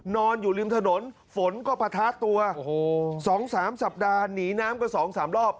นอนอยู่ริมถนนฝนก็ปะทะตัว๒๓สัปดาห์หนีน้ำก็๒๓รอบ